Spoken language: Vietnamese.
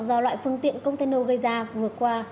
do loại phương tiện container gây ra vừa qua